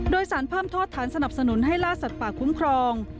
โดยสารเพิ่มโทษฐานสนับสนุนให้ล่าสัตว์ป่าคุ้มครอง